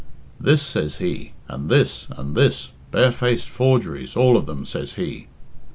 'This,' says he, 'and this and this barefaced forgeries, all of them!' says he."